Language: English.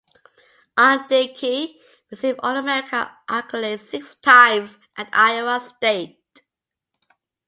Ondieki received All-America accolades six times at Iowa State.